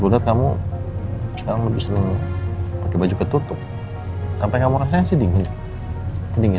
hai ya gue kamu sekarang lebih senang pakai baju ketutup sampai kamu resesi dingin dingin